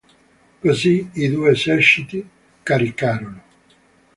Così, i due eserciti caricarono.